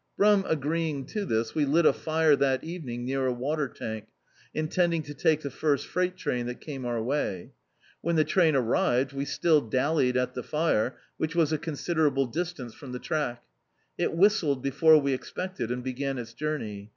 Brum agreeing to this, we lit a fire that evening near a water tank, intending to take the first frei^t train that came our way. When the train arrived, we stil! dallied at the fire, which was a considerable distance from die track. It whistled before we expected and began its journey.